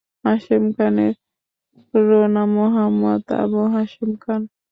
হাশেম খানের পুরো নাম মোহাম্মদ আবুল হাশেম খান।